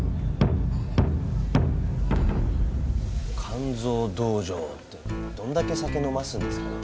「肝臓道場」ってどんだけ酒飲ますんですかね？